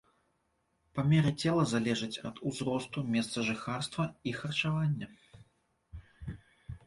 Памеры цела залежаць ад узросту, месцажыхарства і харчавання.